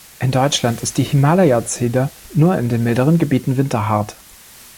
In Deutschland ist die Himalaya-Zeder nur in den milderen Gebieten winterhart.